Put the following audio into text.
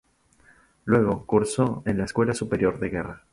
Luego cursó en la Escuela Superior de Guerra.